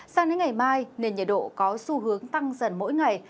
sang đến ngày mai nền nhiệt độ có xu hướng tăng dần mỗi ngày